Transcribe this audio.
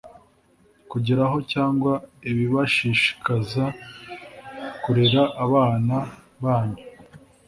kugeraho cyangwa ibibashishikaza kurera abana banyu